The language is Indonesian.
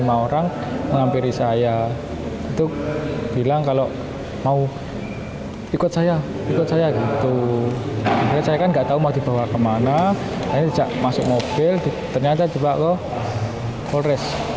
ternyata terjebak ke polres